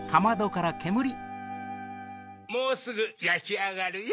もうすぐやきあがるよ。